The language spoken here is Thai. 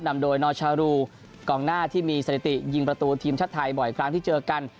นำโดยนอชารูกองหน้าที่มีสถิติยิงประตูทีมชาติไทยบ่อยครั้งที่เจอกัน